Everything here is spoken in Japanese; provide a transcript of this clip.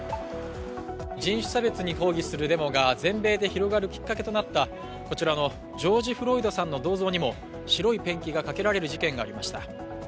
人種差別に抗議するデモが全米で広がるきっかけとなったこちらのジョージ・フロイドさんの銅像にも白いペンキがかけられる事件がありました。